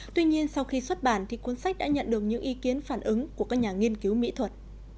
tuy nhiên sau khi xuất bản thì cuốn sách đã nhận được những ý kiến phản ứng của các nhà nghiên cứu mỹ thuật